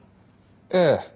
ええ。